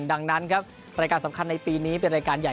ดังนั้นครับรายการสำคัญในปีนี้เป็นรายการใหญ่